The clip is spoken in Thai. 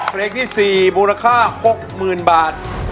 เพลงที่๔มูลค่า๖๐๐๐บาท